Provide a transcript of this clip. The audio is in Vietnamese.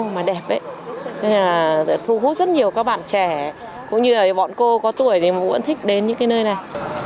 mà đẹp đấy thu hút rất nhiều các bạn trẻ cũng như bọn cô có tuổi thì cũng thích đến những nơi này